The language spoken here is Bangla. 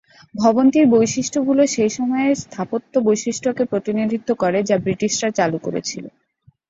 ভবনটির বৈশিষ্ট্যগুলি সেই সময়ের স্থাপত্য বৈশিষ্ট্যকে প্রতিনিধিত্ব করে যা ব্রিটিশরা চালু করেছিল।